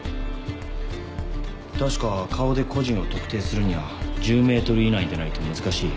確か顔で個人を特定するには１０ｍ以内でないと難しい。